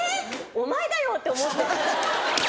お前だよ！って思って。